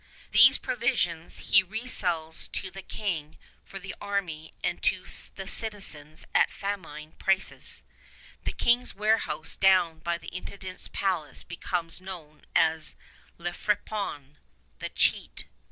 These provisions he resells to the King for the army and to the citizens at famine prices. The King's warehouse down by the Intendant's palace becomes known as La Friponne, The Cheat.